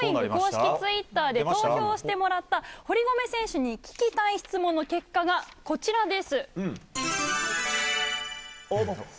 公式ツイッターで投票してもらった堀米選手に聞きたい質問の結果がこちらです。